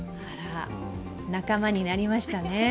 あら、仲間になりましたね。